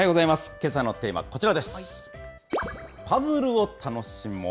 けさのテーマ、こちらです。